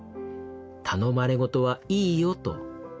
頼まれ事はいいよと。